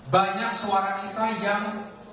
banyak suara kita yang